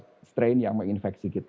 apapun itu strain yang menginfeksi kita